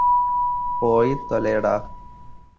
പോയി തൊലയെടാ